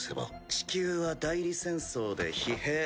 地球は代理戦争で疲弊。